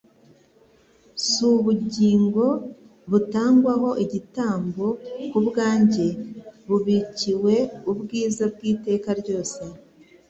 s" Ubugingo butangwaho igitambo ku bwanjye, bubikiwe ubwiza bw'iteka ryose.